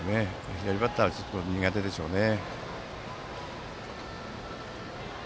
左バッターは苦手でしょうね。